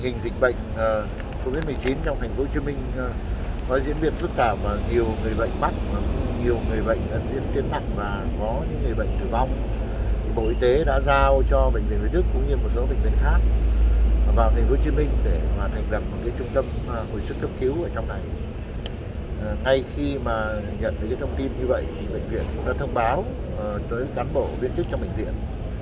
ngay khi nhận được thông tin như vậy bệnh viện đã thông báo tới cán bộ viên chức trong bệnh viện